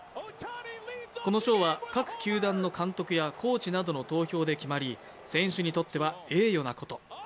この賞は各球団の監督やコーチなどの投票で決まり選手にとっては栄誉なこと。